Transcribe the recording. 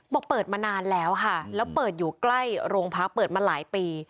บอกเปิดมานานแล้วค่ะแล้วเปิดอยู่ใกล้โรงพักเปิดมาหลายปี